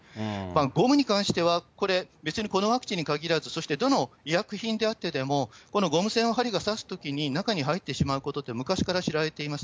ゴムに関しては、これ、別にこのワクチンに限らず、そしてどの医薬品であってでも、このゴム栓の針が刺すときに中に入ってしまうことって、昔から知られています。